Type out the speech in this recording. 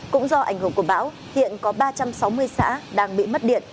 cũng do ảnh hưởng của bão hiện có ba trăm sáu mươi xã đang bị mất điện